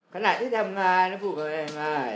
ขณะที่ทำงานนะพูดง่าย